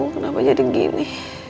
kenapa jadi gini